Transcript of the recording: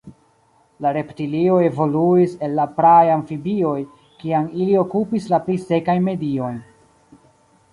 La reptilioj evoluis el la praaj amfibioj, kiam ili okupis la pli sekajn mediojn.